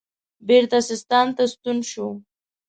بیرته سیستان ته ستون شو.